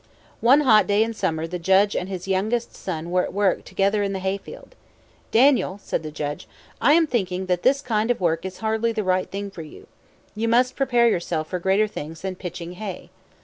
One hot day in summer the judge and his youngest son were at work together in the hayfield. "Daniel," said the judge, "I am thinking that this kind of work is hardly the right thing for you. You must prepare yourself for greater things than pitching hay."